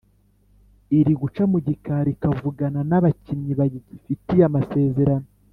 iri guca mu gikari ikavugana n’abakinnyi bayifitiye amasezerno